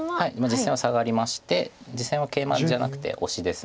実戦はサガりまして実戦はケイマじゃなくてオシです。